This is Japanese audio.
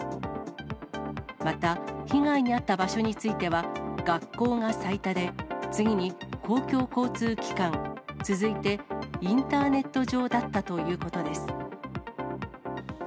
また、被害に遭った場所については、学校が最多で、次に公共交通機関、続いてインターネット上だったということです。